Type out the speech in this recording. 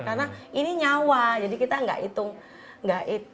karena ini nyawa jadi kita enggak hitung jumlah kuantitas